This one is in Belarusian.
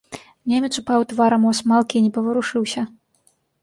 Немец упаў тварам у асмалкі і не паварушыўся.